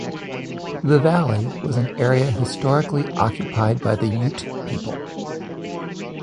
The valley was an area historically occupied by the Ute people.